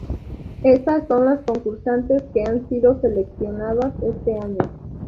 Estas son las concursantes que han sido seleccionadas este año.